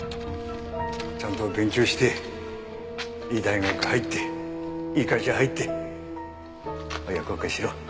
ちゃんと勉強していい大学入っていい会社入って親孝行しろ。